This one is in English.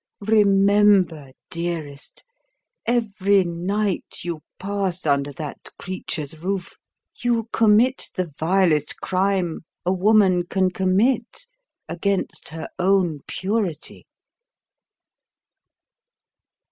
Remember, dearest, every night you pass under that creature's roof, you commit the vilest crime a woman can commit against her own purity."